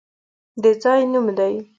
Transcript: د ځای نوم دی!